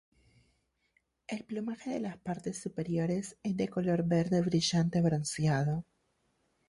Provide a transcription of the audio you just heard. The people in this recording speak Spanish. El plumaje de las partes superiores es de color verde brillante bronceado.